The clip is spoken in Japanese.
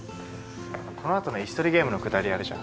このあとの椅子取りゲームのくだりあるじゃん。